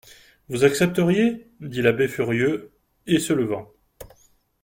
Vous accepteriez ? dit l'abbé furieux, et se levant.